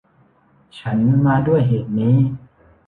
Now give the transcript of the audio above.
ฉันมาด้วยเหตุนี้